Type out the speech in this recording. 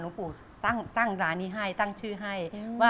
ปู่ตั้งร้านนี้ให้ตั้งชื่อให้ว่า